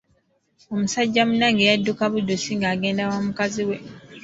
Omusajja munnange yadduka buddusi nga agenda wa mukazi we.